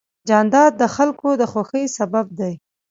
جانداد د خلکو د خوښۍ سبب دی.